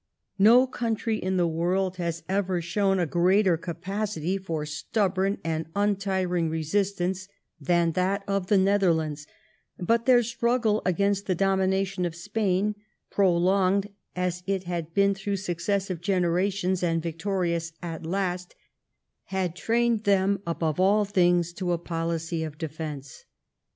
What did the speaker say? No country in the world has ever shown a greater capacity for stubborn and untiring resistance than that of the Netherlands, but their struggle against the domination of Spain, pro longed as it had to be through successive generations and victorious at last, had trained them above all things to a policy of defence.